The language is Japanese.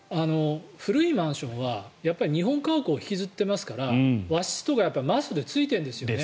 古いマンションはやっぱり日本家屋を引きずっていますから和室とかマストでついているんですよね。